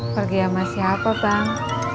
pergi sama siapa bang